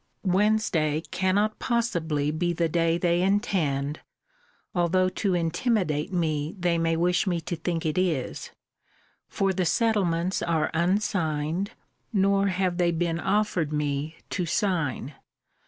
'Wednesday cannot possibly be the day they intend, although to intimidate me they may wish me to think it is: for the settlements are unsigned: nor have they been offered me to sign.